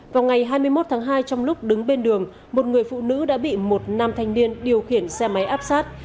vào ngày hai mươi một tháng hai trong lúc đứng bên đường một người phụ nữ đã bị một nam thanh niên điều khiển xe máy áp sát